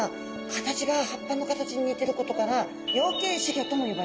形が葉っぱの形に似てることから葉形仔魚とも呼ばれます。